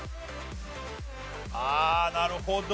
ああなるほど。